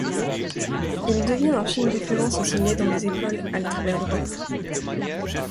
Il devient un film référence enseigné dans les écoles à travers l'Europe.